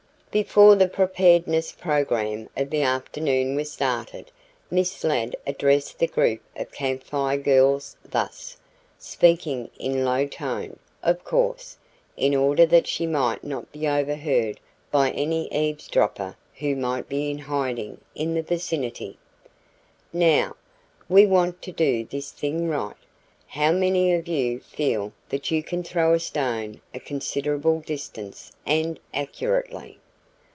Before the "preparedness program" of the afternoon was started, Miss Ladd addressed the group of Camp Fire Girls thus, speaking in low tone, of course, in order that she might not be overheard by any eavesdropper who might be in hiding in the vicinity: "Now, we want to do this thing right. How many of you feel that you can throw a stone a considerable distance and accurately?"